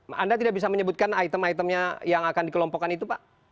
apakah anda tidak bisa menyebutkan item itemnya yang akan dikelompokkan itu pak